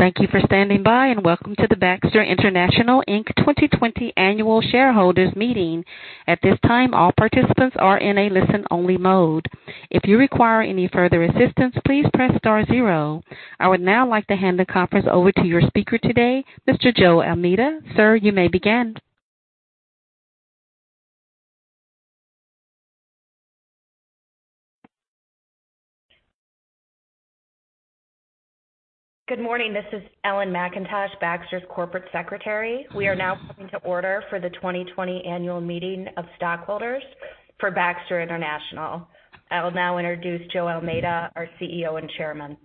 Thank you for standing by, and welcome to the Baxter International 2020 Annual Shareholders Meeting. At this time, all participants are in a listen-only mode. If you require any further assistance, please press star zero. I would now like to hand the conference over to your speaker today, Mr. Joe Almeida. Sir, you may begin. Good morning. This is Ellen McIntosh, Baxter's Corporate Secretary. We are now coming to order for the 2020 Annual Meeting of Stockholders for Baxter International. I will now introduce Joe Almeida, our CEO and chairman.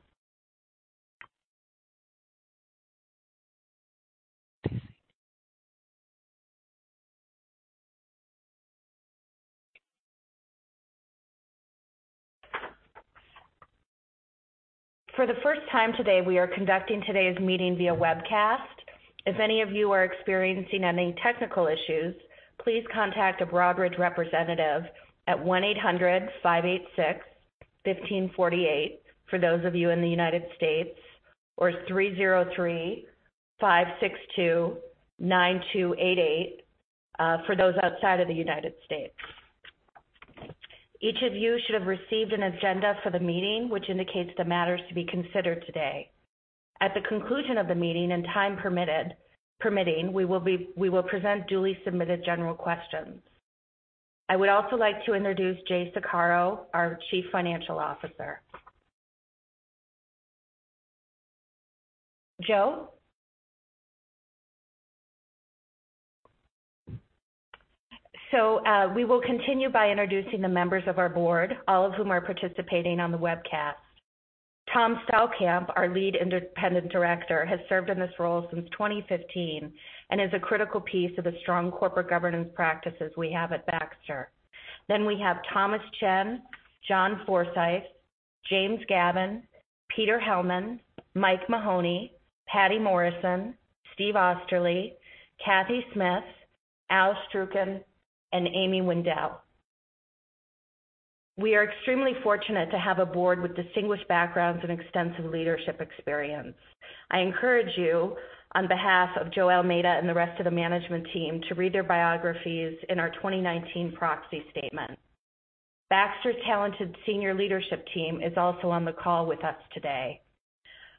For the first time today, we are conducting today's meeting via webcast. If any of you are experiencing any technical issues, please contact a Broadridge representative at 1-800-586-1548 for those of you in the United States, or 303-562-9288 for those outside of the United States. Each of you should have received an agenda for the meeting, which indicates the matters to be considered today. At the conclusion of the meeting, and time permitting, we will present duly submitted general questions. I would also like to introduce Jay Saccaro, our Chief Financial Officer. Joe? We will continue by introducing the members of our board, all of whom are participating on the webcast. Tom Stallkamp, our Lead Independent Director, has served in this role since 2015 and is a critical piece of the strong corporate governance practices we have at Baxter. We have Thomas Chen, ,John Forsyth, James Gavin, Peter Hellman, Mike Mahoney, Patty Morrison, Steve Oesterle, Cathy Smith, Al Strouken, and Amy Wendell. We are extremely fortunate to have a board with distinguished backgrounds and extensive leadership experience. I encourage you, on behalf of Joe Almeida and the rest of the management team, to read their biographies in our 2019 proxy statement. Baxter's talented senior leadership team is also on the call with us today.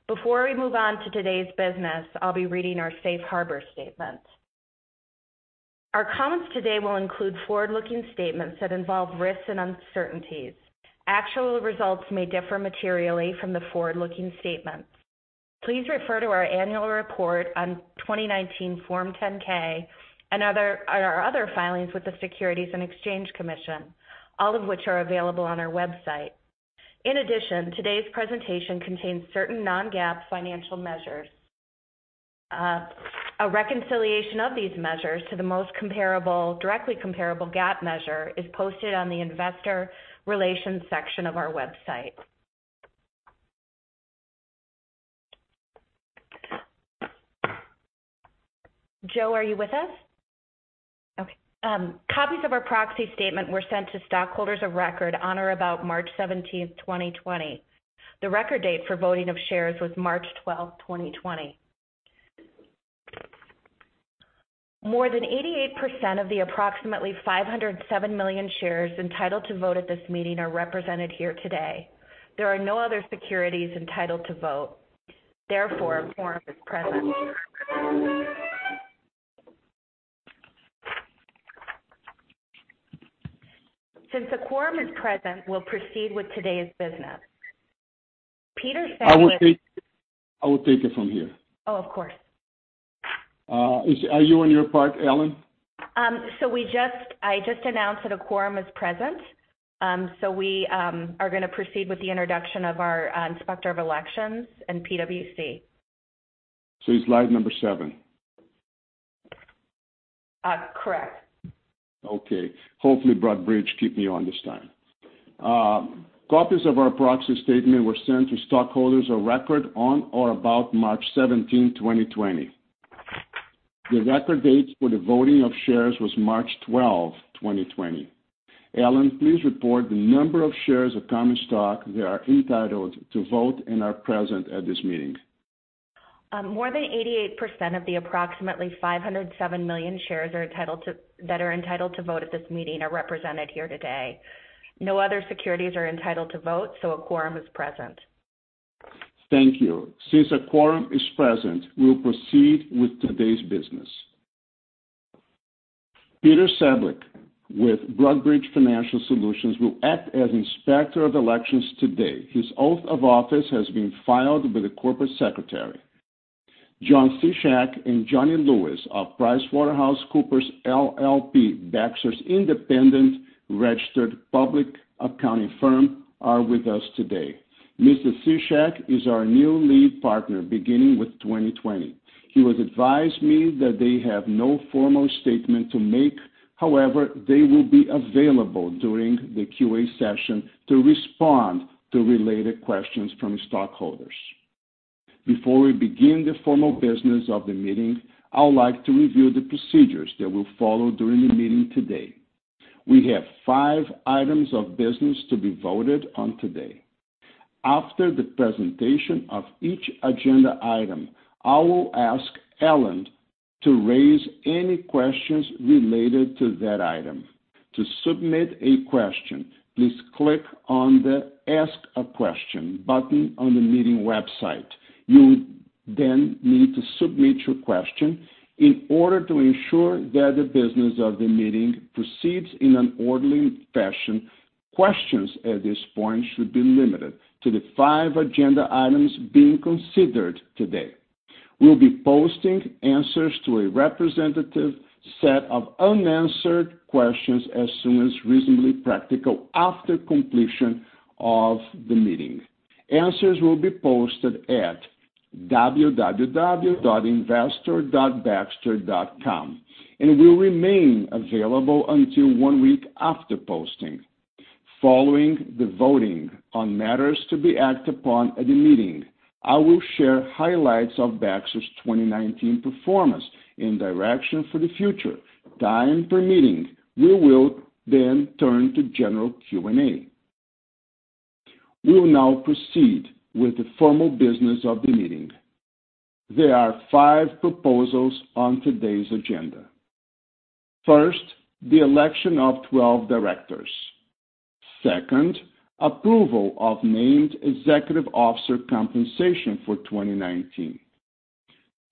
Before we move on to today's business, I'll be reading our safe harbor statement. Our comments today will include forward-looking statements that involve risks and uncertainties. Actual results may differ materially from the forward-looking statements. Please refer to our annual report on 2019 Form 10-K and our other filings with the Securities and Exchange Commission, all of which are available on our website. In addition, today's presentation contains certain non-GAAP financial measures. A reconciliation of these measures to the most directly comparable GAAP measure is posted on the investor relations section of our website. Joe, are you with us? Okay. Copies of our proxy statement were sent to stockholders of record on or about March 17, 2020. The record date for voting of shares was March 12, 2020. More than 88% of the approximately 507 million shares entitled to vote at this meeting are represented here today. There are no other securities entitled to vote. Therefore, a quorum is present. Since a quorum is present, we'll proceed with today's business. Peter Seblek. I will take it from here. Oh, of course. Are you on your part, Ellen? I just announced that a quorum is present. We are going to proceed with the introduction of our Inspector of Elections and PWC. Is it slide number seven? Correct. Okay. Hopefully, Brad Bridge kept me on this time. Copies of our proxy statement were sent to stockholders of record on or about March 17, 2020. The record date for the voting of shares was March 12, 2020. Ellen, please report the number of shares of common stock that are entitled to vote and are present at this meeting. More than 88% of the approximately 507 million shares that are entitled to vote at this meeting are represented here today. No other securities are entitled to vote, so a quorum is present. Thank you. Since a quorum is present, we'll proceed with today's business. Peter Seblek with Broadridge Financial Solutions will act as inspector of elections today. His oath of office has been filed with the Corporate Secretary. John Sichak and Johnny Lewis of PricewaterhouseCoopers LLP, Baxter's independent registered public accounting firm, are with us today. Mr. Sichak is our new lead partner beginning with 2020. He has advised me that they have no formal statement to make. However, they will be available during the Q&A session to respond to related questions from stockholders. Before we begin the formal business of the meeting, I would like to review the procedures that will follow during the meeting today. We have five items of business to be voted on today. After the presentation of each agenda item, I will ask Ellen to raise any questions related to that item. To submit a question, please click on the ask a question button on the meeting website. You will then need to submit your question. In order to ensure that the business of the meeting proceeds in an orderly fashion, questions at this point should be limited to the five agenda items being considered today. We'll be posting answers to a representative set of unanswered questions as soon as reasonably practical after completion of the meeting. Answers will be posted at www.investor.baxter.com and will remain available until one week after posting. Following the voting on matters to be acted upon at the meeting, I will share highlights of Baxter's 2019 performance and direction for the future. Time permitting, we will then turn to general Q&A. We will now proceed with the formal business of the meeting. There are five proposals on today's agenda. First, the election of 12 directors. Second, approval of named executive officer compensation for 2019.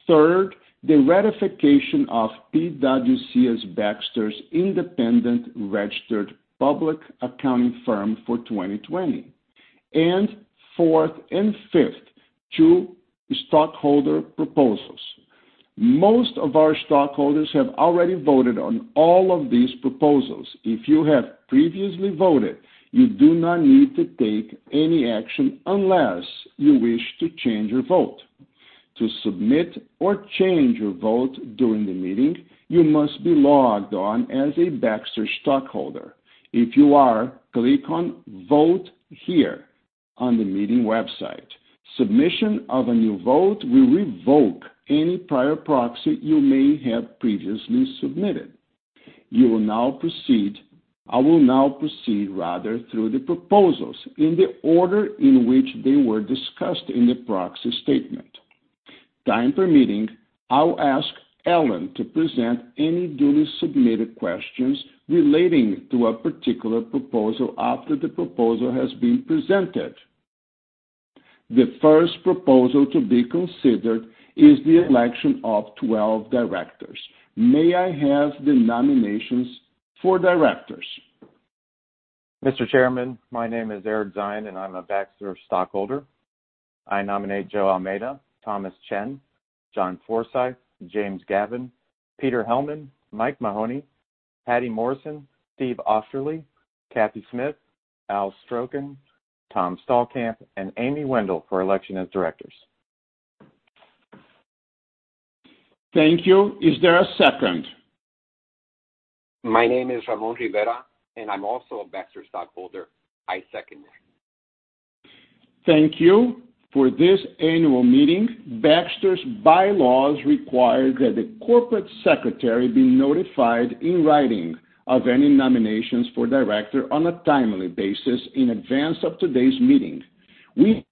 Third, the ratification of PWC as Baxter's independent registered public accounting firm for 2020. Fourth and fifth, two stockholder proposals. Most of our stockholders have already voted on all of these proposals. If you have previously voted, you do not need to take any action unless you wish to change your vote. To submit or change your vote during the meeting, you must be logged on as a Baxter stockholder. If you are, click on Vote Here on the meeting website. Submission of a new vote will revoke any prior proxy you may have previously submitted. You will now proceed through the proposals in the order in which they were discussed in the proxy statement. Time permitting, I will ask Ellen to present any duly submitted questions relating to a particular proposal after the proposal has been presented. The first proposal to be considered is the election of 12 directors. May I have the nominations for directors? Mr. Chairman, my name is Eric Zine, and I'm a Baxter stockholder. I nominate Joe Almeida, Thomas Chen, John Forsyth, James Gavin, Peter Hellman, Mike Mahoney, Patty Morrison, Steve Oesterle, Cathy Smith, Al Stroucken, Tom Stallkamp, and Amy Wendell for election as directors. Thank you. Is there a second? My name is Ramon Rivera, and I'm also a Baxter stockholder. I second. Thank you. For this annual meeting, Baxter's by laws require that the corporate secretary be notified in writing of any nominations for director on a timely basis in advance of today's meeting. We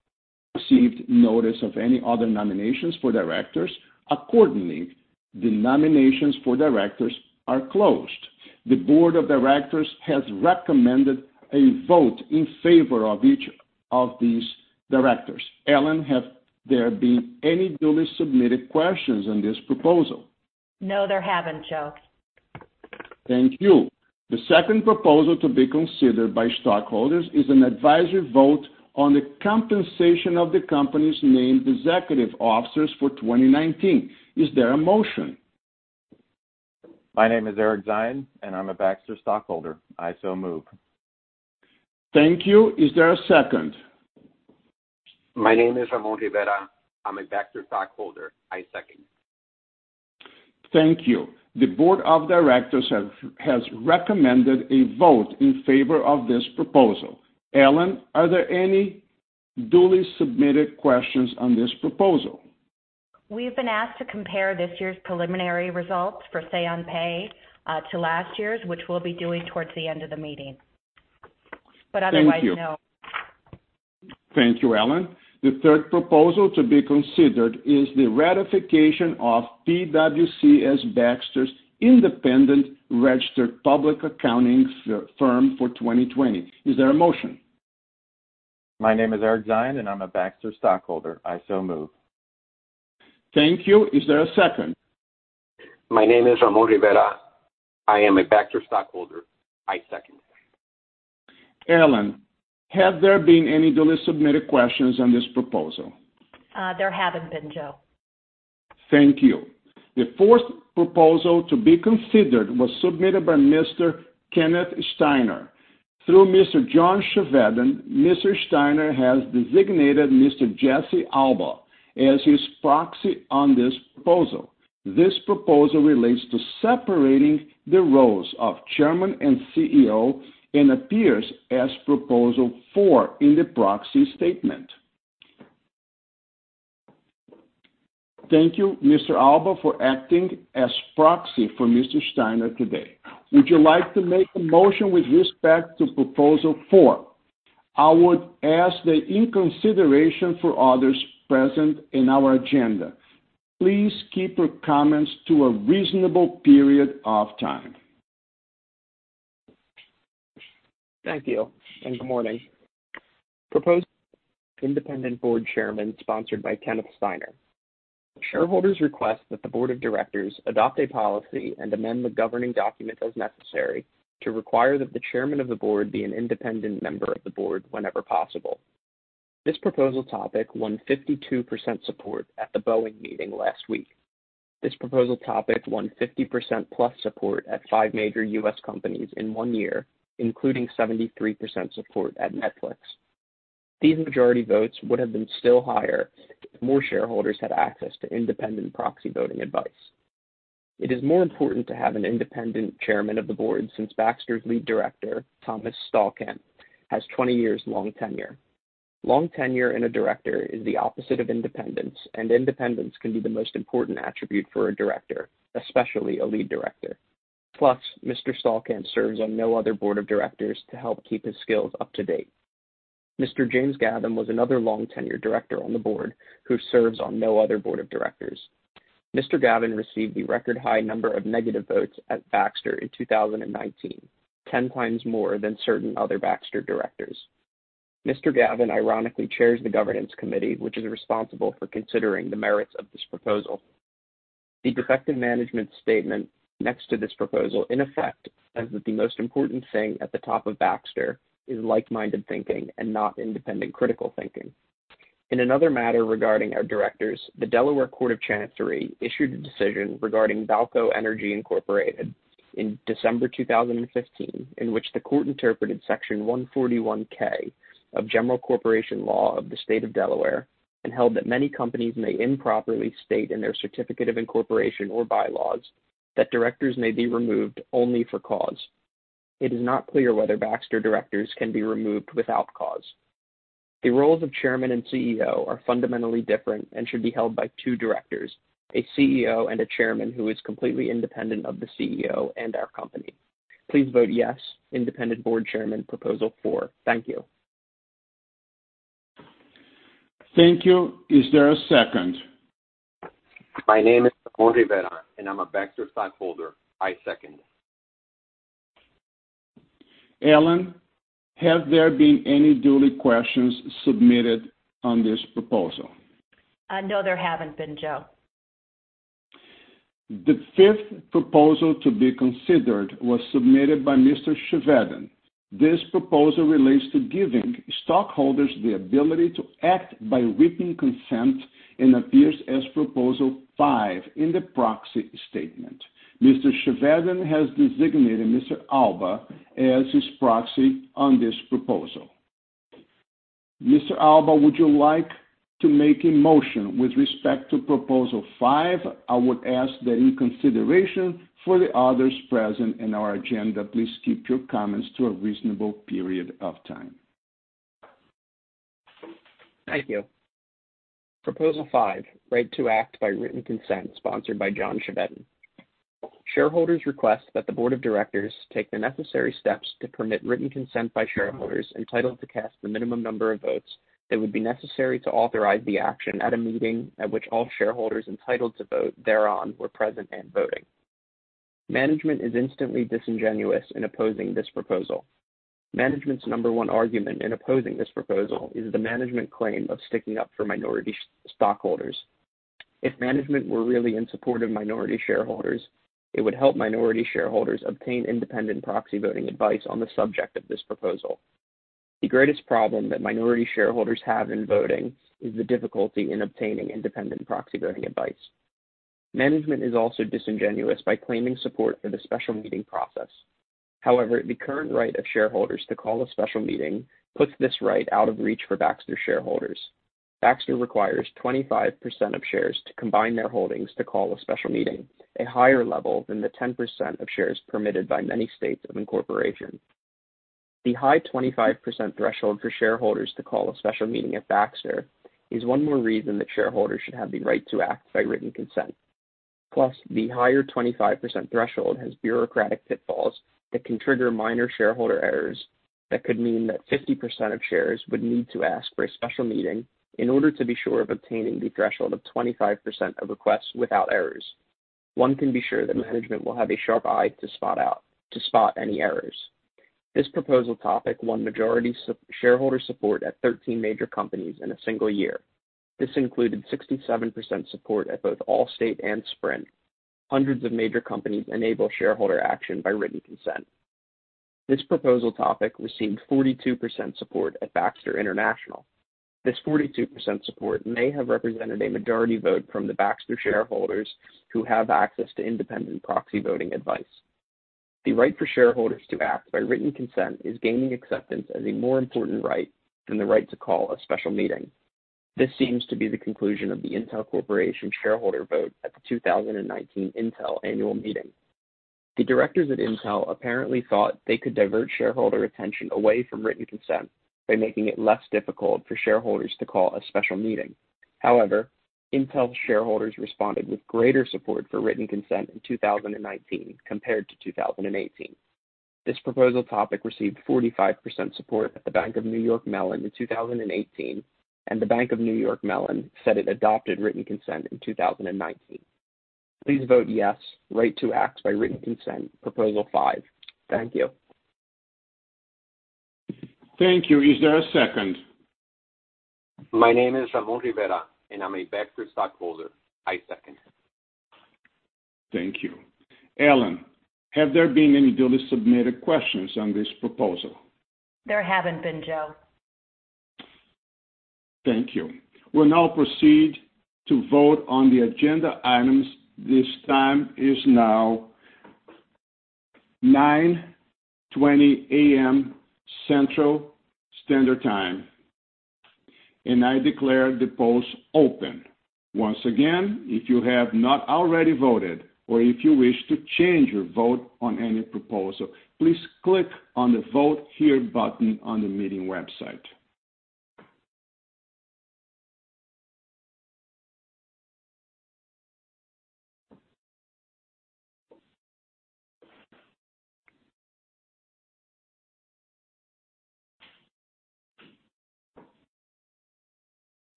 received notice of any other nominations for directors. Accordingly, the nominations for directors are closed. The board of directors has recommended a vote in favor of each of these directors. Ellen, have there been any duly submitted questions on this proposal? No, there haven't, Joe. Thank you. The second proposal to be considered by stockholders is an advisory vote on the compensation of the company's named executive officers for 2019. Is there a motion? My name is Eric Zine, and I'm a Baxter stockholder. I so move. Thank you. Is there a second? My name is Ramon Rivera. I'm a Baxter stockholder. I second. Thank you. The board of directors has recommended a vote in favor of this proposal. Ellen, are there any duly submitted questions on this proposal? We've been asked to compare this year's preliminary results for say-on-pay to last year's, which we'll be doing towards the end of the meeting. Otherwise, no. Thank you. Thank you, Ellen. The third proposal to be considered is the ratification of PWC as Baxter's independent registered public accounting firm for 2020. Is there a motion? My name is Eric Zine, and I'm a Baxter stockholder. I so move. Thank you. Is there a second? My name is Ramon Rivera. I am a Baxter stockholder. I second. Ellen, have there been any duly submitted questions on this proposal? There haven't been, Joe. Thank you. The fourth proposal to be considered was submitted by Mr. Kenneth Steiner. Through Mr. John Chevedden, Mr. Steiner has designated Mr. Jesse Alba as his proxy on this proposal. This proposal relates to separating the roles of chairman and CEO and appears as proposal four in the proxy statement. Thank you, Mr. Alba, for acting as proxy for Mr. Steiner today. Would you like to make a motion with respect to proposal four? I would ask the in consideration for others present in our agenda. Please keep your comments to a reasonable period of time. Thank you and good morning. Proposed independent board chairman sponsored by Kenneth Steiner. Shareholders request that the board of directors adopt a policy and amend the governing document as necessary to require that the chairman of the board be an independent member of the Board whenever possible. This proposal topic won 52% support at the Boeing meeting last week. This proposal topic won 50% plus support at five major U.S. companies in one year, including 73% support at Netflix. These majority votes would have been still higher if more shareholders had access to independent proxy voting advice. It is more important to have an independent chairman of the board since Baxter's lead director, Thomas Stallkamp, has a 20-year-long tenure. Long tenure in a director is the opposite of independence, and independence can be the most important attribute for a director, especially a lead director. Plus, Mr. Stallkamp serves on no other board of directors to help keep his skills up to date. Mr. James Gavin was another long-tenured director on the board who serves on no other board of directors. Mr. Gavin received the record-high number of negative votes at Baxter in 2019, 10 times more than certain other Baxter directors. Mr. Gavin ironically chairs the governance committee, which is responsible for considering the merits of this proposal. The defective management statement next to this proposal, in effect, says that the most important thing at the top of Baxter is like-minded thinking and not independent critical thinking. In another matter regarding our directors, the Delaware Court of Chancery issued a decision regarding Valco Energy, Incorporated in December 2015, in which the court interpreted Section 141(k) of general corporation law of the state of Delaware and held that many companies may improperly state in their certificate of incorporation or bylaws that directors may be removed only for cause. It is not clear whether Baxter directors can be removed without cause. The roles of chairman and CEO are fundamentally different and should be held by two directors: a CEO and a chairman who is completely independent of the CEO and our company. Please vote yes for independent board chairman proposal four. Thank you. Thank you. Is there a second? My name is Ramon Rivera, and I'm a Baxter stockholder. I second. Ellen, have there been any duly questions submitted on this proposal? No, there haven't been, Joe. The fifth proposal to be considered was submitted by Mr. Chevedden. This proposal relates to giving stockholders the ability to act by written consent and appears as proposal five in the proxy statement. Mr. Chevedden has designated Mr. Alba as his proxy on this proposal. Mr. Alba, would you like to make a motion with respect to proposal five? I would ask that in consideration for the others present in our agenda, please keep your comments to a reasonable period of time. Thank you. Proposal five, right to act by written consent, sponsored by John Chevedden. Shareholders request that the board of directors take the necessary steps to permit written consent by shareholders entitled to cast the minimum number of votes that would be necessary to authorize the action at a meeting at which all shareholders entitled to vote thereon were present and voting. Management is instantly disingenuous in opposing this proposal. Management's number one argument in opposing this proposal is the management claim of sticking up for minority stockholders. If management were really in support of minority shareholders, it would help minority shareholders obtain independent proxy voting advice on the subject of this proposal. The greatest problem that minority shareholders have in voting is the difficulty in obtaining independent proxy voting advice. Management is also disingenuous by claiming support for the special meeting process. However, the current right of shareholders to call a special meeting puts this right out of reach for Baxter shareholders. Baxter requires 25% of shares to combine their holdings to call a special meeting, a higher level than the 10% of shares permitted by many states of incorporation. The high 25% threshold for shareholders to call a special meeting at Baxter is one more reason that shareholders should have the right to act by written consent. Plus, the higher 25% threshold has bureaucratic pitfalls that can trigger minor shareholder errors that could mean that 50% of shares would need to ask for a special meeting in order to be sure of obtaining the threshold of 25% of requests without errors. One can be sure that management will have a sharp eye to spot any errors. This proposal topic won majority shareholder support at 13 major companies in a single year. This included 67% support at both Allstate and Sprint. Hundreds of major companies enable shareholder action by written consent. This proposal topic received 42% support at Baxter International. This 42% support may have represented a majority vote from the Baxter shareholders who have access to independent proxy voting advice. The right for shareholders to act by written consent is gaining acceptance as a more important right than the right to call a special meeting. This seems to be the conclusion of the Intel Corporation shareholder vote at the 2019 Intel annual meeting. The directors at Intel apparently thought they could divert shareholder attention away from written consent by making it less difficult for shareholders to call a special meeting. However, Intel shareholders responded with greater support for written consent in 2019 compared to 2018. This proposal topic received 45% support at the Bank of New York Mellon in 2018, and the Bank of New York Mellon said it adopted written consent in 2019. Please vote yes for right to act by written consent proposal five. Thank you. Thank you. Is there a second? My name is Ramon Rivera, and I'm a Baxter stockholder. I second. Thank you. Ellen, have there been any duly submitted questions on this proposal? There haven't been, Joe. Thank you. We'll now proceed to vote on the agenda items. The time is now 9:20 A.M. Central Standard Time, and I declare the polls open. Once again, if you have not already voted or if you wish to change your vote on any proposal, please click on the Vote Here button on the meeting website.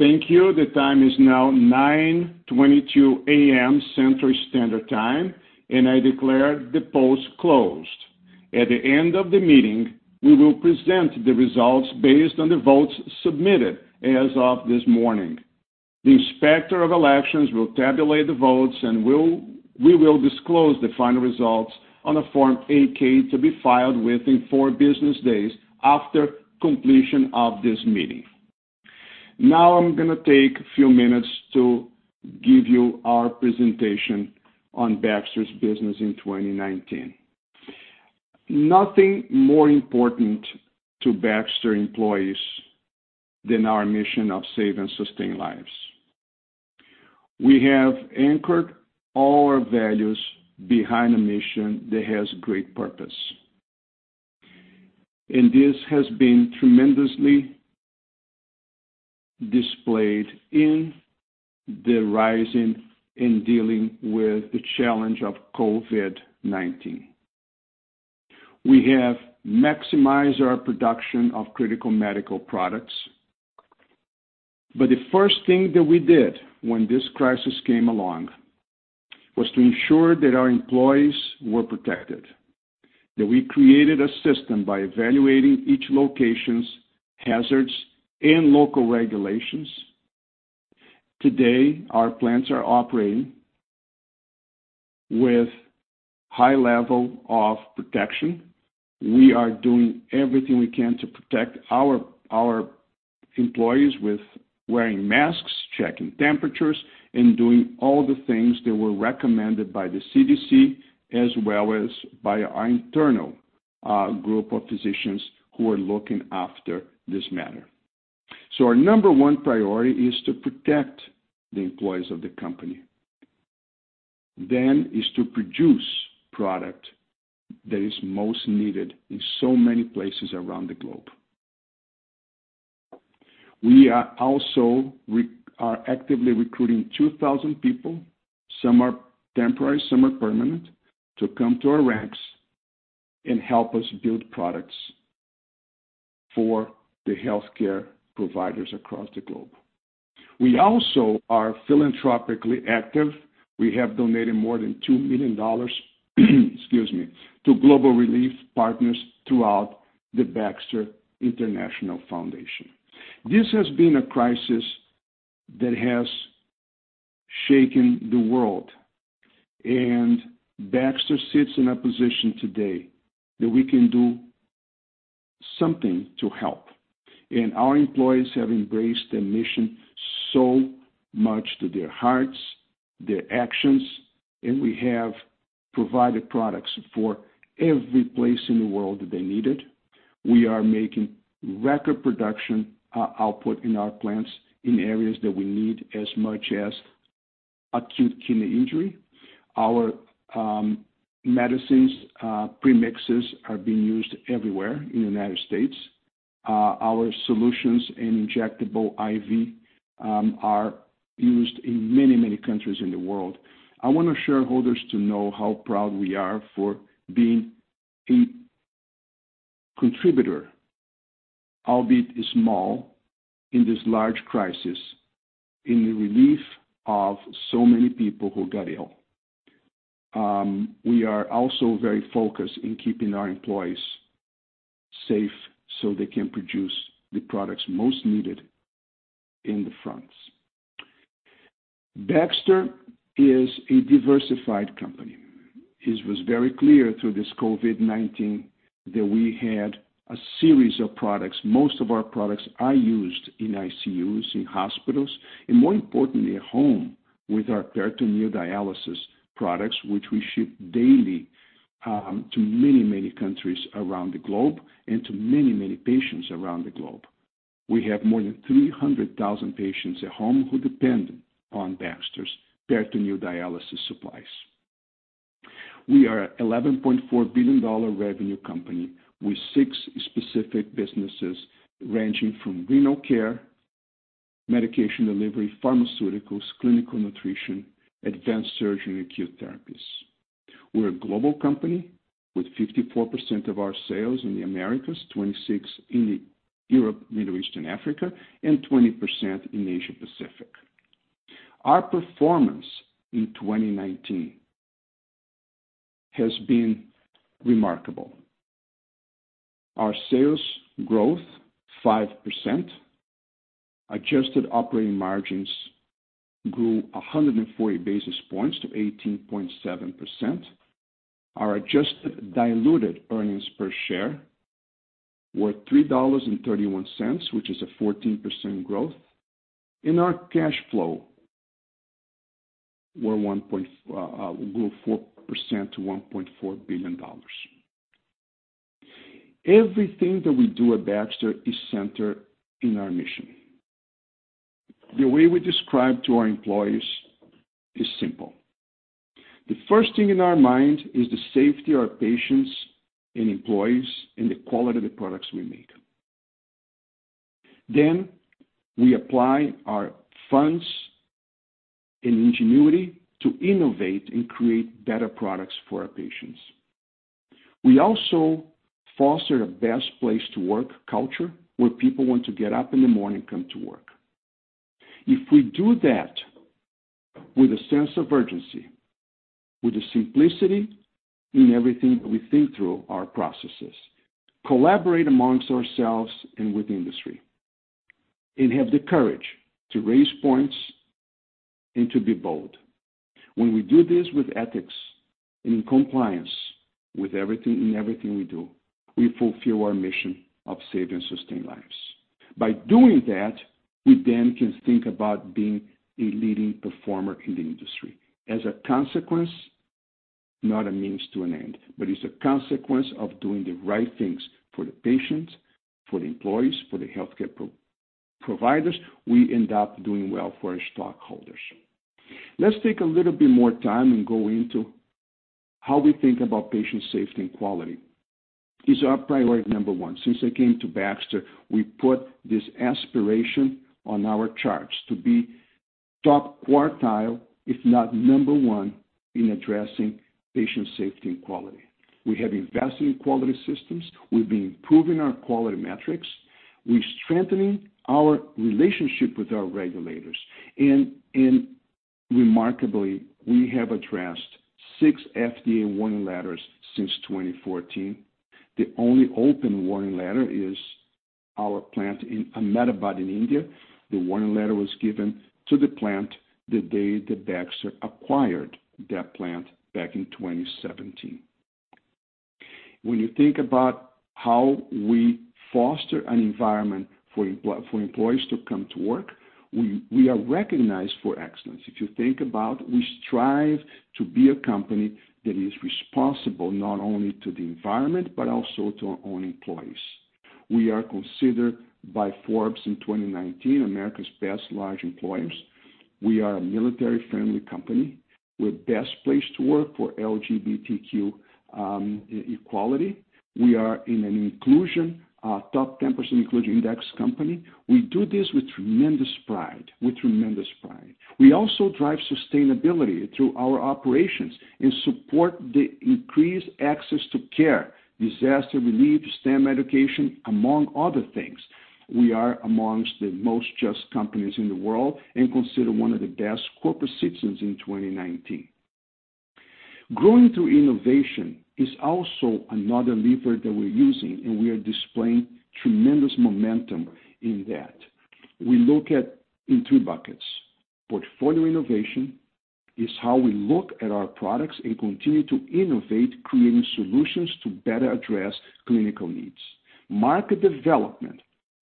Thank you. The time is now 9:22 A.M. Central Standard Time, and I declare the polls closed. At the end of the meeting, we will present the results based on the votes submitted as of this morning. The inspector of elections will tabulate the votes, and we will disclose the final results on a Form 8-K to be filed within four business days after completion of this meeting. Now I'm going to take a few minutes to give you our presentation on Baxter's business in 2019. Nothing more important to Baxter employees than our mission of save and sustain lives. We have anchored all our values behind a mission that has great purpose, and this has been tremendously displayed in the rising and dealing with the challenge of COVID-19. We have maximized our production of critical medical products, but the first thing that we did when this crisis came along was to ensure that our employees were protected, that we created a system by evaluating each location's hazards and local regulations. Today, our plants are operating with a high level of protection. We are doing everything we can to protect our employees with wearing masks, checking temperatures, and doing all the things that were recommended by the CDC as well as by our internal group of physicians who are looking after this matter. Our number one priority is to protect the employees of the company. mission is to produce product that is most needed in so many places around the globe. We also are actively recruiting 2,000 people, some are temporary, some are permanent, to come to our ranks and help us build products for the healthcare providers across the globe. We also are philanthropically active. We have donated more than $2 million, excuse me, to global relief partners throughout the Baxter International Foundation. This has been a crisis that has shaken the world, and Baxter sits in a position today that we can do something to help. Our employees have embraced the mission so much to their hearts, their actions, and we have provided products for every place in the world that they needed. We are making record production output in our plants in areas that we need as much as acute kidney injury. Our medicines, premixes, are being used everywhere in the United States. Our solutions and injectable IV are used in many, many countries in the world. I want our shareholders to know how proud we are for being a contributor, albeit small, in this large crisis in the relief of so many people who got ill. We are also very focused in keeping our employees safe so they can produce the products most needed in the fronts. Baxter is a diversified company. It was very clear through this COVID-19 that we had a series of products. Most of our products are used in ICUs, in hospitals, and more importantly, at home with our peritoneal dialysis products, which we ship daily to many, many countries around the globe and to many, many patients around the globe. We have more than 300,000 patients at home who depend on Baxter's peritoneal dialysis supplies. We are an $11.4 billion revenue company with six specific businesses ranging from renal care, medication delivery, pharmaceuticals, clinical nutrition, advanced surgery, and acute therapies. We're a global company with 54% of our sales in the Americas, 26% in Europe, Middle East, and Africa, and 20% in Asia-Pacific. Our performance in 2019 has been remarkable. Our sales growth was 5%. Adjusted operating margins grew 140 basis points to 18.7%. Our adjusted diluted earnings per share were $3.31, which is a 14% growth. Our cash flow grew 4% to $1.4 billion. Everything that we do at Baxter is centered in our mission. The way we describe to our employees is simple. The first thing in our mind is the safety of our patients and employees and the quality of the products we make. We apply our funds and ingenuity to innovate and create better products for our patients. We also foster a best place to work culture where people want to get up in the morning and come to work. If we do that with a sense of urgency, with the simplicity in everything that we think through our processes, collaborate amongst ourselves and with the industry, and have the courage to raise points and to be bold. When we do this with ethics and in compliance with everything in everything we do, we fulfill our mission of save and sustain lives. By doing that, we then can think about being a leading performer in the industry. As a consequence, not a means to an end, but it is a consequence of doing the right things for the patients, for the employees, for the healthcare providers, we end up doing well for our stockholders. Let's take a little bit more time and go into how we think about patient safety and quality. It's our priority number one. Since I came to Baxter, we put this aspiration on our charts to be top quartile, if not number one, in addressing patient safety and quality. We have invested in quality systems. We've been improving our quality metrics. We're strengthening our relationship with our regulators. Remarkably, we have addressed six FDA warning letters since 2014. The only open warning letter is our plant in Ahmedabad in India. The warning letter was given to the plant the day that Baxter acquired that plant back in 2017. When you think about how we foster an environment for employees to come to work, we are recognized for excellence. If you think about it, we strive to be a company that is responsible not only to the environment but also to our own employees. We are considered by Forbes in 2019 America's best large employers. We are a military-friendly company. We're the best place to work for LGBTQ equality. We are in an inclusion, top 10% inclusion index company. We do this with tremendous pride, with tremendous pride. We also drive sustainability through our operations and support the increased access to care, disaster relief, STEM education, among other things. We are amongst the most just companies in the world and considered one of the best corporate citizens in 2019. Growing through innovation is also another lever that we're using, and we are displaying tremendous momentum in that. We look at it in three buckets. Portfolio innovation is how we look at our products and continue to innovate, creating solutions to better address clinical needs. Market development,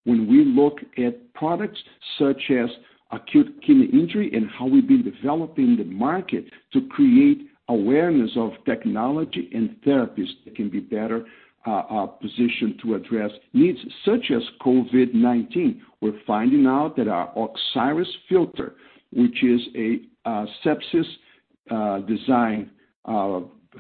when we look at products such as acute kidney injury and how we've been developing the market to create awareness of technology and therapies that can be better positioned to address needs such as COVID-19. We're finding out that our Oxiris filter, which is a sepsis-designed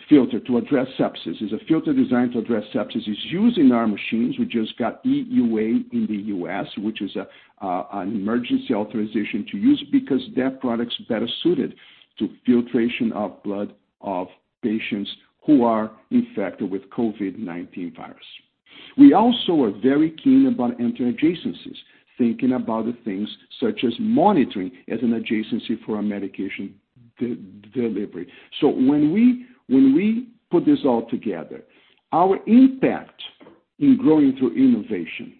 filter to address sepsis, is a filter designed to address sepsis. It's used in our machines. We just got EUA in the U.S., which is an emergency authorization to use because that product's better suited to filtration of blood of patients who are infected with the COVID-19 virus. We also are very keen about anti-adjacencies, thinking about the things such as monitoring as an adjacency for our medication delivery. When we put this all together, our impact in growing through innovation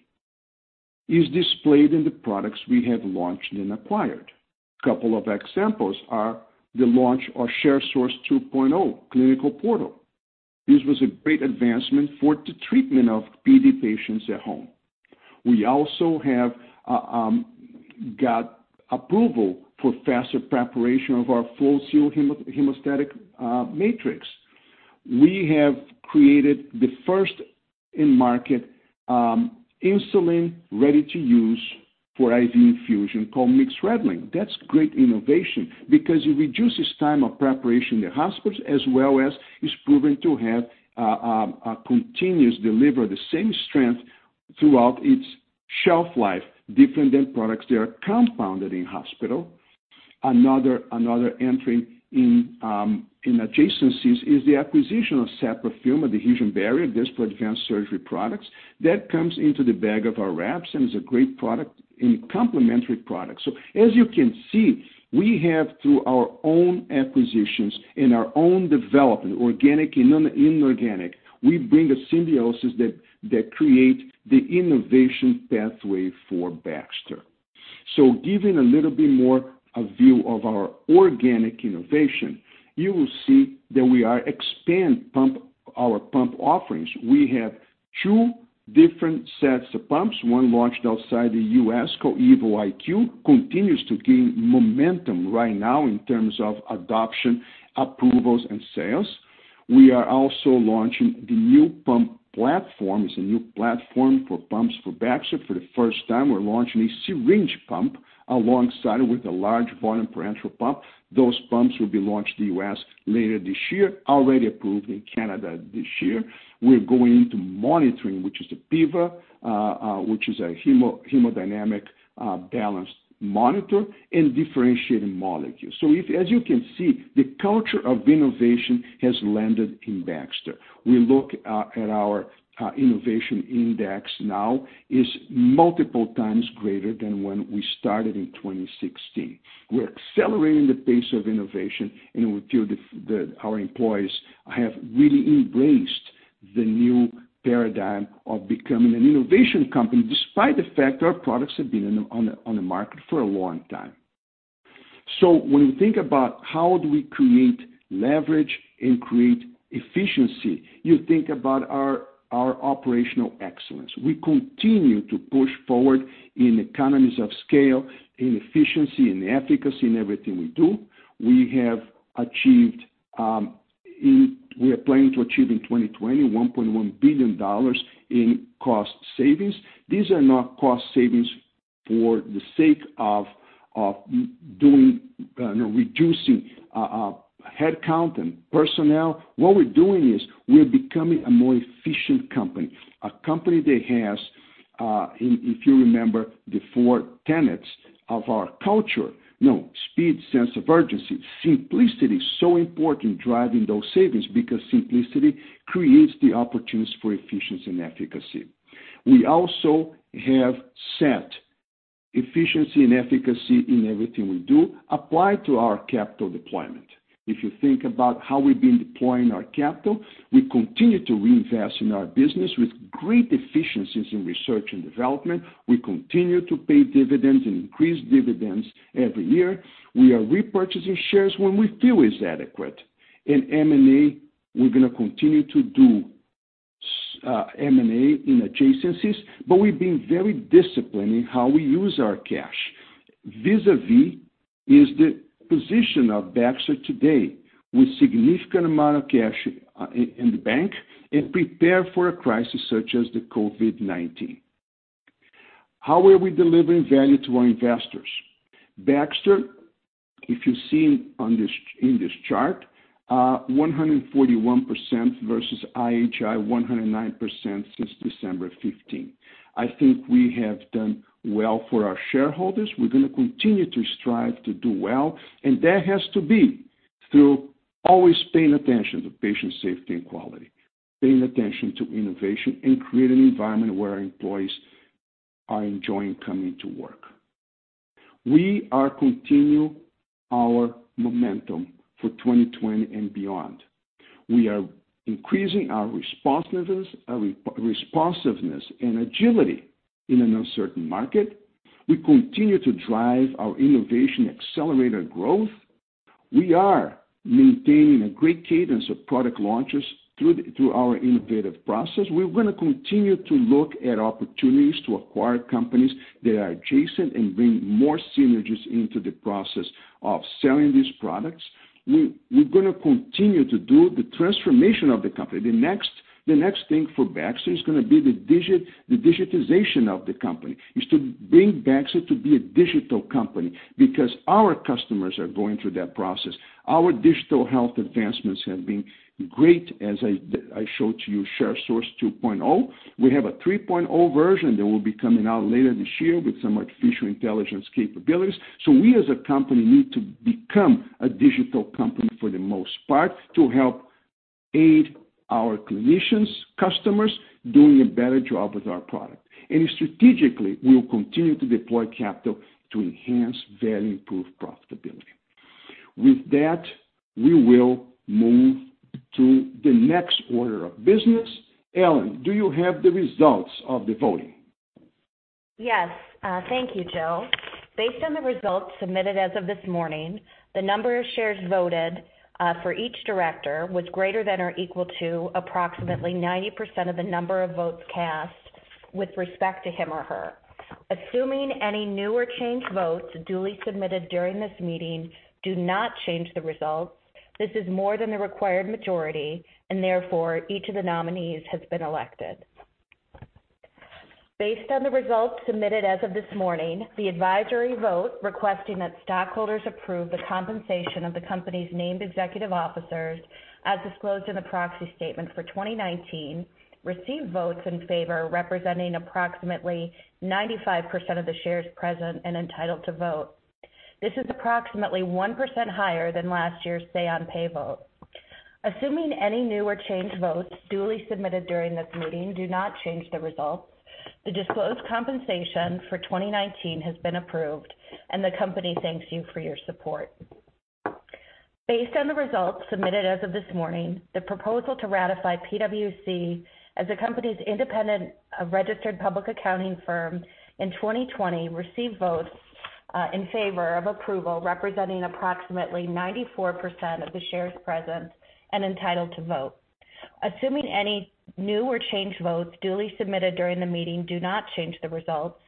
is displayed in the products we have launched and acquired. A couple of examples are the launch of ShareSource 2.0 Clinical Portal. This was a great advancement for the treatment of PD patients at home. We also have got approval for faster preparation of our FlowSeal Hemostatic Matrix. We have created the first in-market insulin ready-to-use for IV infusion called Mixerdline. That's great innovation because it reduces time of preparation in the hospitals as well as is proven to have a continuous delivery, the same strength throughout its shelf life, different than products that are compounded in hospital. Another entry in adjacencies is the acquisition of Seprafilm, an adhesion barrier, this for Advanced Surgery products. That comes into the bag of our wraps and is a great product and complementary product. As you can see, we have through our own acquisitions and our own development, organic and inorganic, we bring a symbiosis that creates the innovation pathway for Baxter. Giving a little bit more of a view of our organic innovation, you will see that we are expanding our pump offerings. We have two different sets of pumps, one launched outside the U.S. called EvoIQ, continues to gain momentum right now in terms of adoption, approvals, and sales. We are also launching the new pump platform. It's a new platform for pumps for Baxter. For the first time, we're launching a syringe pump alongside with a large volume parenteral pump. Those pumps will be launched in the U.S. later this year, already approved in Canada this year. We're going into monitoring, which is a PEVA, which is a hemodynamic balanced monitor, and differentiating molecules. As you can see, the culture of innovation has landed in Baxter. We look at our innovation index now; it is multiple times greater than when we started in 2016. We are accelerating the pace of innovation, and we feel that our employees have really embraced the new paradigm of becoming an innovation company despite the fact that our products have been on the market for a long time. When we think about how we create leverage and create efficiency, you think about our operational excellence. We continue to push forward in economies of scale, in efficiency, in efficacy, in everything we do. We have achieved, and we are planning to achieve in 2020, $1.1 billion in cost savings. These are not cost savings for the sake of reducing headcount and personnel. What we're doing is we're becoming a more efficient company, a company that has, if you remember, the four tenets of our culture: speed, sense of urgency, simplicity. So important driving those savings because simplicity creates the opportunities for efficiency and efficacy. We also have set efficiency and efficacy in everything we do applied to our capital deployment. If you think about how we've been deploying our capital, we continue to reinvest in our business with great efficiencies in research and development. We continue to pay dividends and increase dividends every year. We are repurchasing shares when we feel it's adequate. M&A, we're going to continue to do M&A in adjacencies, but we've been very disciplined in how we use our cash. Vis-à-vis is the position of Baxter today with a significant amount of cash in the bank and prepare for a crisis such as the COVID-19. How are we delivering value to our investors? Baxter, if you see in this chart, 141% versus IHI 109% since December 15. I think we have done well for our shareholders. We're going to continue to strive to do well, and that has to be through always paying attention to patient safety and quality, paying attention to innovation, and creating an environment where our employees are enjoying coming to work. We are continuing our momentum for 2020 and beyond. We are increasing our responsiveness and agility in an uncertain market. We continue to drive our innovation accelerator growth. We are maintaining a great cadence of product launches through our innovative process. We're going to continue to look at opportunities to acquire companies that are adjacent and bring more synergies into the process of selling these products. We're going to continue to do the transformation of the company. The next thing for Baxter is going to be the digitization of the company. It's to bring Baxter to be a digital company because our customers are going through that process. Our digital health advancements have been great, as I showed to you, ShareSource 2.0. We have a 3.0 version that will be coming out later this year with some artificial intelligence capabilities. We, as a company, need to become a digital company for the most part to help aid our clinicians, customers, doing a better job with our product. Strategically, we will continue to deploy capital to enhance value-improved profitability. With that, we will move to the next order of business. Ellen, do you have the results of the voting? Yes. Thank you, Joe. Based on the results submitted as of this morning, the number of shares voted for each director was greater than or equal to approximately 90% of the number of votes cast with respect to him or her. Assuming any new or changed votes duly submitted during this meeting do not change the results, this is more than the required majority, and therefore, each of the nominees has been elected. Based on the results submitted as of this morning, the advisory vote requesting that stockholders approve the compensation of the company's named executive officers, as disclosed in the proxy statement for 2019, received votes in favor representing approximately 95% of the shares present and entitled to vote. This is approximately 1% higher than last year's say-on-pay vote. Assuming any new or changed votes duly submitted during this meeting do not change the results, the disclosed compensation for 2019 has been approved, and the company thanks you for your support. Based on the results submitted as of this morning, the proposal to ratify PWC as the company's independent registered public accounting firm in 2020 received votes in favor of approval representing approximately 94% of the shares present and entitled to vote. Assuming any new or changed votes duly submitted during the meeting do not change the results,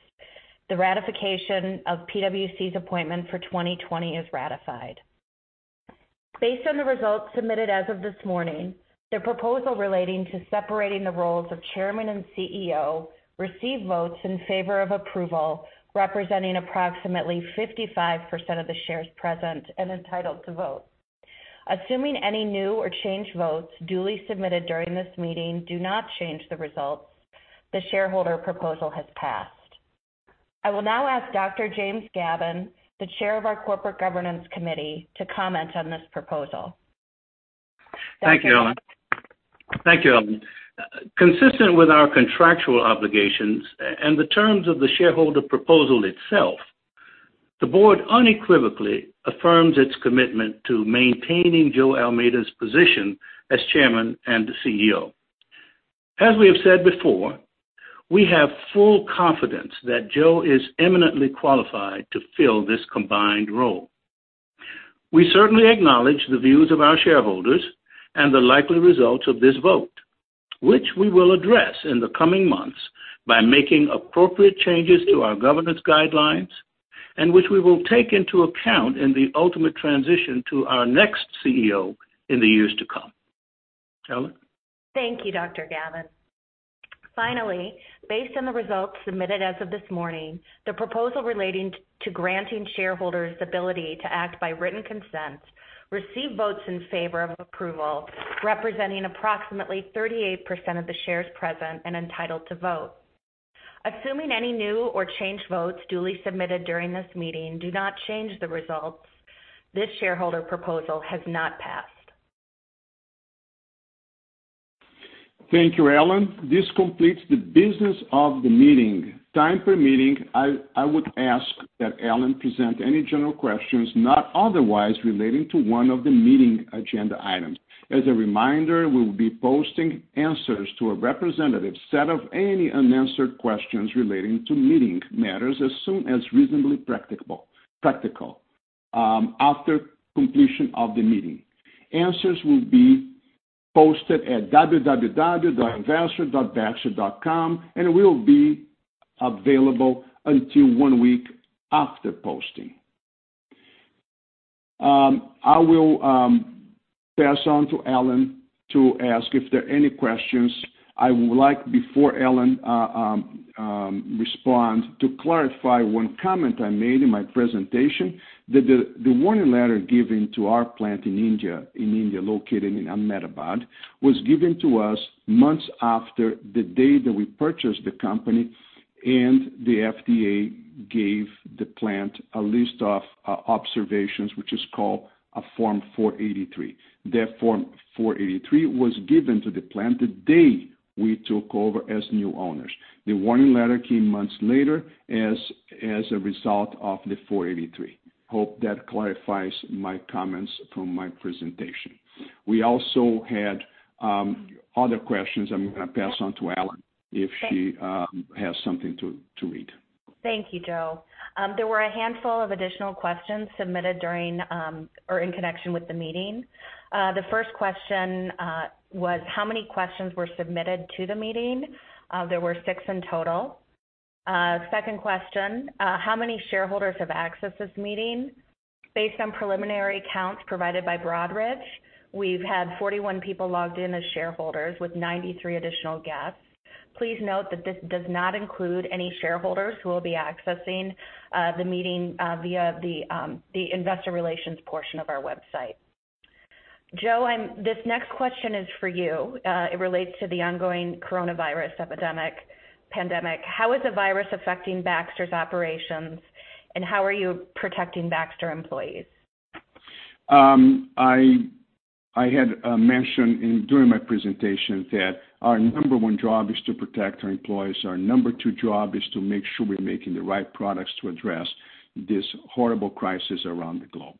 the ratification of PWC appointment for 2020 is ratified. Based on the results submitted as of this morning, the proposal relating to separating the roles of chairman and CEO received votes in favor of approval representing approximately 55% of the shares present and entitled to vote. Assuming any new or changed votes duly submitted during this meeting do not change the results, the shareholder proposal has passed. I will now ask Dr. James Gavin, the chair of our Corporate Governance Committee, to comment on this proposal. Thank you, Ellen. Consistent with our contractual obligations and the terms of the shareholder proposal itself, the board unequivocally affirms its commitment to maintaining Joe Almeida's position as chairman and CEO. As we have said before, we have full confidence that Joe is eminently qualified to fill this combined role. We certainly acknowledge the views of our shareholders and the likely results of this vote, which we will address in the coming months by making appropriate changes to our governance guidelines and which we will take into account in the ultimate transition to our next CEO in the years to come. Ellen? Thank you, Dr. Gavin. Finally, based on the results submitted as of this morning, the proposal relating to granting shareholders the ability to act by written consent received votes in favor of approval representing approximately 38% of the shares present and entitled to vote. Assuming any new or changed votes duly submitted during this meeting do not change the results, this shareholder proposal has not passed. Thank you, Ellen. This completes the business of the meeting. Time per meeting, I would ask that Ellen present any general questions not otherwise relating to one of the meeting agenda items. As a reminder, we will be posting answers to a representative set of any unanswered questions relating to meeting matters as soon as reasonably practical after completion of the meeting. Answers will be posted at www.vaster.baxter.com, and it will be available until one week after posting. I will pass on to Ellen to ask if there are any questions. I would like before Ellen responds to clarify one comment I made in my presentation that the warning letter given to our plant in India located in Ahmedabad was given to us months after the day that we purchased the company, and the FDA gave the plant a list of observations, which is called a Form 483. That Form 483 was given to the plant the day we took over as new owners. The warning letter came months later as a result of the 483. Hope that clarifies my comments from my presentation. We also had other questions. I'm going to pass on to Ellen if she has something to read. Thank you, Joe. There were a handful of additional questions submitted during or in connection with the meeting. The first question was, how many questions were submitted to the meeting? There were six in total. Second question, how many shareholders have accessed this meeting? Based on preliminary counts provided by Broadridge, we've had 41 people logged in as shareholders with 93 additional guests. Please note that this does not include any shareholders who will be accessing the meeting via the investor relations portion of our website. Joe, this next question is for you. It relates to the ongoing coronavirus pandemic. How is the virus affecting Baxter's operations, and how are you protecting Baxter employees? I had mentioned during my presentation that our number one job is to protect our employees. Our number two job is to make sure we're making the right products to address this horrible crisis around the globe.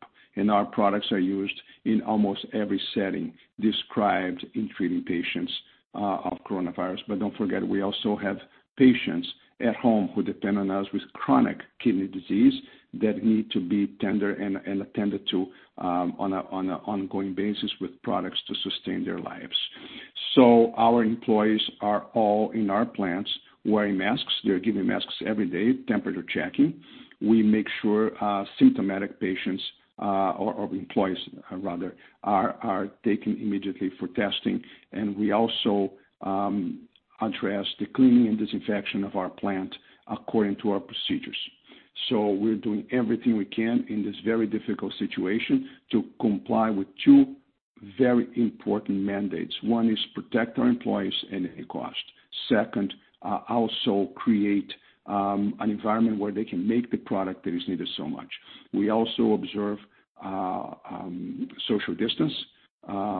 Our products are used in almost every setting described in treating patients of coronavirus. Do not forget, we also have patients at home who depend on us with chronic kidney disease that need to be tendered and attended to on an ongoing basis with products to sustain their lives. Our employees are all in our plants wearing masks. They are given masks every day, temperature checking. We make sure symptomatic patients or employees, rather, are taken immediately for testing. We also address the cleaning and disinfection of our plant according to our procedures. We are doing everything we can in this very difficult situation to comply with two very important mandates. One is protect our employees at any cost. Second, also create an environment where they can make the product that is needed so much. We also observe social distance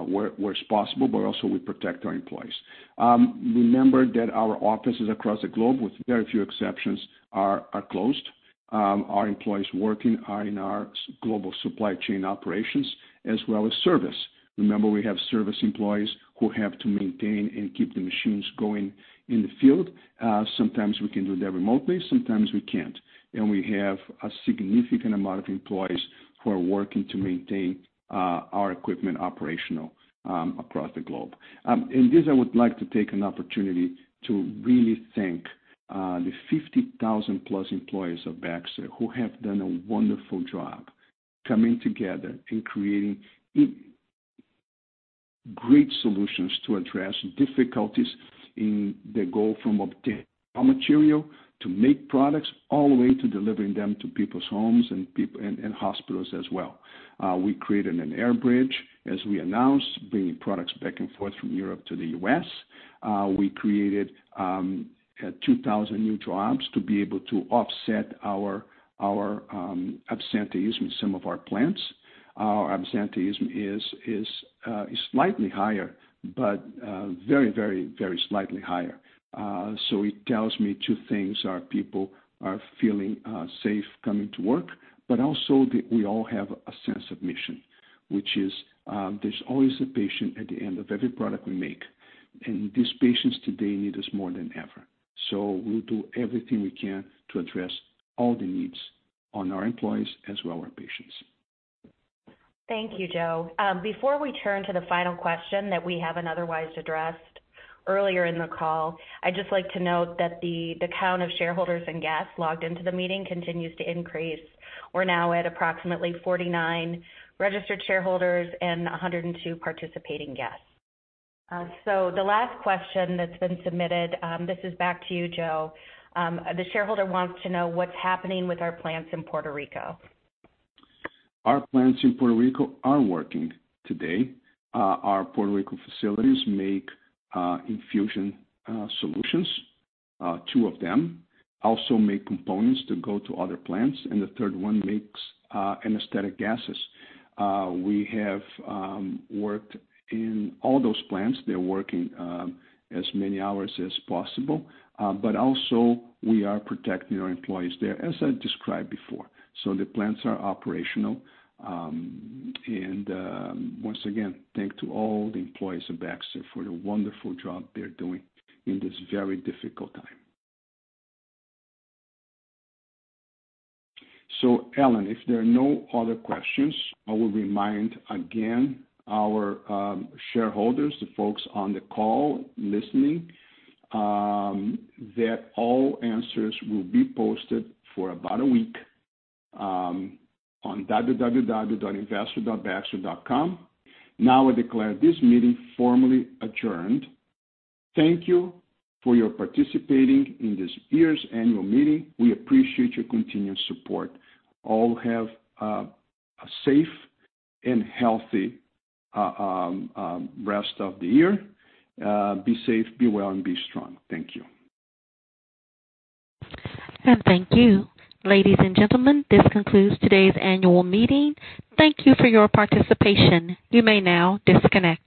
where it is possible, but also we protect our employees. Remember that our offices across the globe, with very few exceptions, are closed. Our employees working are in our global supply chain operations as well as service. Remember, we have service employees who have to maintain and keep the machines going in the field. Sometimes we can do that remotely. Sometimes we can't. We have a significant amount of employees who are working to maintain our equipment operational across the globe. In this, I would like to take an opportunity to really thank the 50,000-plus employees of Baxter who have done a wonderful job coming together and creating great solutions to address difficulties in the goal from obtaining raw material to make products all the way to delivering them to people's homes and hospitals as well. We created an air bridge, as we announced, bringing products back and forth from Europe to the U.S. We created 2,000 new jobs to be able to offset our absenteeism in some of our plants. Our absenteeism is slightly higher, but very, very, very slightly higher. It tells me two things: our people are feeling safe coming to work, but also that we all have a sense of mission, which is there's always a patient at the end of every product we make. These patients today need us more than ever. We will do everything we can to address all the needs on our employees as well as our patients. Thank you, Joe. Before we turn to the final question that we have not otherwise addressed earlier in the call, I would just like to note that the count of shareholders and guests logged into the meeting continues to increase. We are now at approximately 49 registered shareholders and 102 participating guests. The last question that has been submitted—this is back to you, Joe—the shareholder wants to know what is happening with our plants in Puerto Rico. Our plants in Puerto Rico are working today. Our Puerto Rico facilities make infusion solutions, two of them. Also make components to go to other plants. The third one makes anesthetic gases. We have worked in all those plants. They are working as many hours as possible. We are protecting our employees there, as I described before. The plants are operational. Once again, thanks to all the employees of Baxter for the wonderful job they are doing in this very difficult time. Ellen, if there are no other questions, I will remind again our shareholders, the folks on the call listening, that all answers will be posted for about a week on www.baxter.com. I declare this meeting formally adjourned. Thank you for your participating in this year's annual meeting. We appreciate your continued support. All have a safe and healthy rest of the year. Be safe, be well, and be strong. Thank you. Thank you, ladies and gentlemen. This concludes today's annual meeting. Thank you for your participation. You may now disconnect.